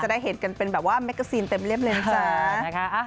จะได้เห็นกันเป็นแบบว่าแมกเกอร์ซีนเต็มเลี่ยมเลยนะจ๊ะ